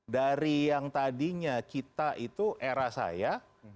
dari yang tadinya kita itu era saya